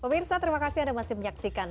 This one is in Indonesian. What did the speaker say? pemirsa terima kasih anda masih menyaksikan